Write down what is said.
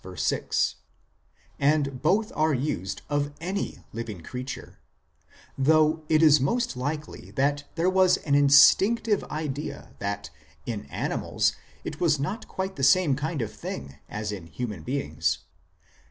6) ; and both are used of any living creature, though it is most likely that there was an instinctive idea that in animals it was not quite the same kind of thing as in human beings.